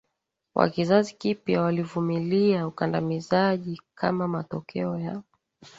wa kizazi kipya walivumilia ukandamizaji kama matokeo ya